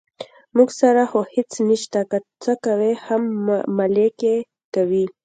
موږ سره خو هېڅ نشته، که څه کوي هم ملک یې کوي.